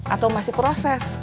atau masih proses